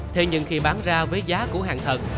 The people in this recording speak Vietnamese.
thế nhưng khi bán ra với giá của hàng thật